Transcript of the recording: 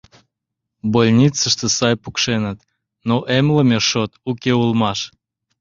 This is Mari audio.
Больницыште сай пукшеныт, но эмлыме шот уке улмаш.